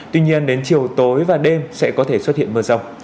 tuy nhiên đến chiều tối và đêm sẽ có thể xuất hiện mưa rông